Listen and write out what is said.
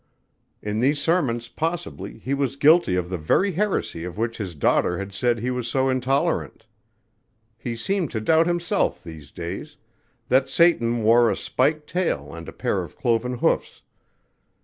In these sermons, possibly, he was guilty of the very heresy of which his daughter had said he was so intolerant. He seemed to doubt himself, these days, that Satan wore a spiked tail and a pair of cloven hoofs.